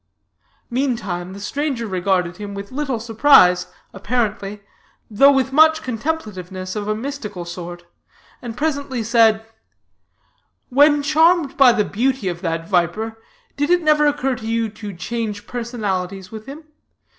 Meantime, the stranger regarded him with little surprise, apparently, though with much contemplativeness of a mystical sort, and presently said: "When charmed by the beauty of that viper, did it never occur to you to change personalities with him?